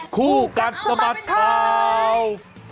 คู่กัดสะบัดข่าว